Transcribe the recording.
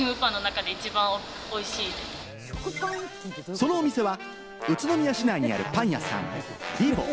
そのお店は宇都宮市内にあるパン屋さん・ヴィヴォ。